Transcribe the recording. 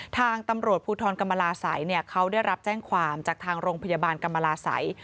ทางตำรวจภูทรกรรมลาศัยเขาได้รับแจ้งความจากทางโรงพยาบาลกรรมลาศัย